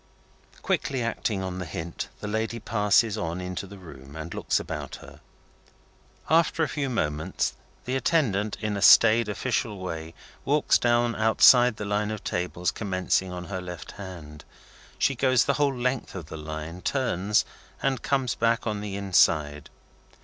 Quickly acting on the hint, the lady passes on into the room, and looks about her. After a few moments, the attendant, in a staid official way, walks down outside the line of tables commencing on her left hand. She goes the whole length of the line, turns, and comes back on the inside.